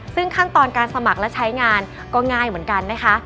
ซึ่งขั้นตอนการสมัครและใช้งานก็ง่ายเหมือนกันนะคะ